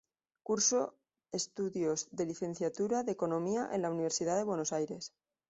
Curso estudios de licenciatura de economía en la Universidad de Buenos Aires.